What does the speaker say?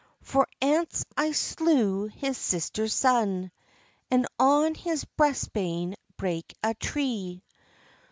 For ance I slew his sister's son, And on his breast bane brak a tree."